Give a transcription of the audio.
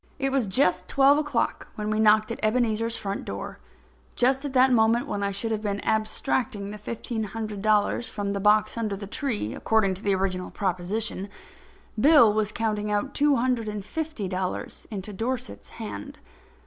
It was just twelve o'clock when we knocked at Ebenezer's front door. Just at the moment when I should have been abstracting the fifteen hundred dollars from the box under the tree, according to the original proposition, Bill was counting out two hundred and fifty dollars into Dorset's hand.